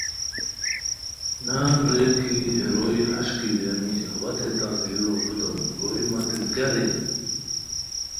نان ریر کی ہے روئے ہݰ کی بیرانی اوا تھے تان ژورو نودوم، روئے متین کیہ رینی